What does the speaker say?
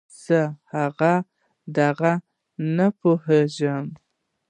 زه هغه دغه نه پوهېږم.